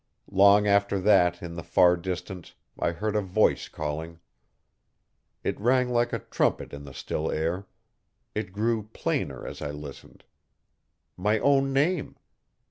Long after that in the far distance I heard a voice calling. It rang like a trumpet in the still air. It grew plainer as I listened. My own name!